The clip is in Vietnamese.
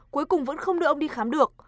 cuối cùng vẫn không đưa ông đi khám được